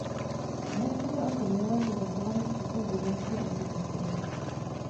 Dnes je to asi nejlépe zachovaný příklad byzantské architektury.